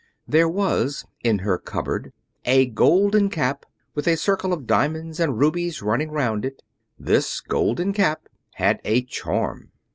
There was, in her cupboard, a Golden Cap, with a circle of diamonds and rubies running round it. This Golden Cap had a charm.